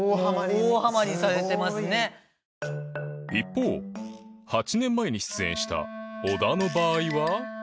一方８年前に出演した織田の場合は